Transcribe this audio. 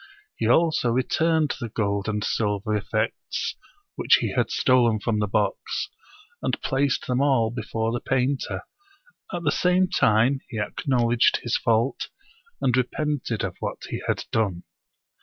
He also returned the gold and silver effects which he had stolen from the box, and placed them all before the painter; at the same time he acknowledged his fault, and repented of what he had done.